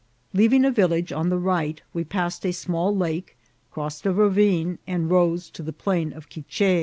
Leaving a village on the right, we passed a small lake, crossed a ravine, and rose to the plain of Quiche.